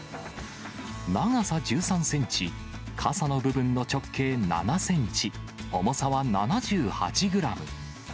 長さ１３センチ、かさの部分の直径７センチ、重さは７８グラム。